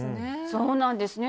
そうなんですね。